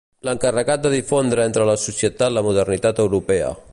L'encarregat de difondre entre la societat la modernitat europea.